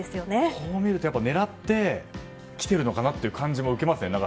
こう見ると狙ってきているのかなという感じを受けますね。